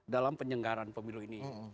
dalam penyelenggaraan pemilu ini